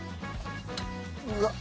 うわっ！